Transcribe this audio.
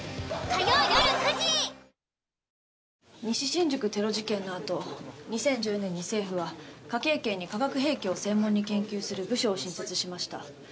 西新宿テロ事件のあと２０１０年に政府は科警研に化学兵器を専門に研究する部署を新設しました。